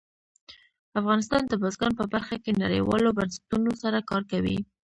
افغانستان د بزګان په برخه کې نړیوالو بنسټونو سره کار کوي.